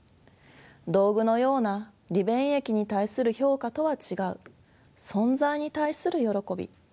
「道具」のような利便益に対する評価とは違う「存在」に対するよろこび。